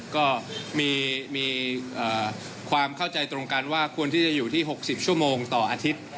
ก็มีความเข้าใจตรงกันว่าควรที่จะอยู่ที่๖๐ชั่วโมงต่ออาทิตย์